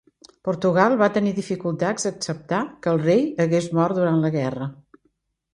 Portugal va tenir dificultats a acceptar que el rei hagués mort durant la guerra.